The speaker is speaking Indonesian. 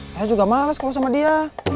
saya juga males kalau sama dia